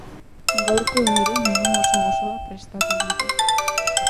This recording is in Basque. Gaurko ere menu gozoa prestatu dute.